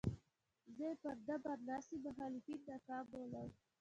زه یې پر ده برلاسي مخالفین ناکام بولم.